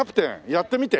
やってみて。